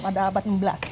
pada abad enam belas